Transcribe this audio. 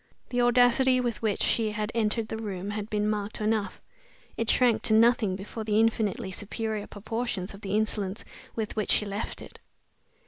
The audacity with which she had entered the room had been marked enough; it shrank to nothing before the infinitely superior proportions of the insolence with which she left it.